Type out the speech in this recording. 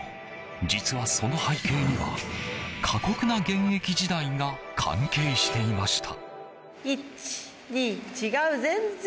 実は、その背景には過酷な現役時代が関係していました。